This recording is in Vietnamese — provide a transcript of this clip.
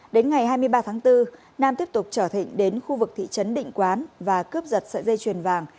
đến ngày hai mươi ba tháng bốn nam tiếp tục chở thịnh đến khu vực thị trấn định quán và cướp giật sợi dây chuyền vàng